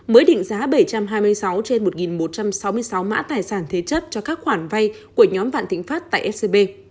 mới định giá bảy trăm hai mươi sáu trên một một trăm sáu mươi sáu mã tài sản thế chấp cho các khoản vay của nhóm vạn thịnh pháp tại scb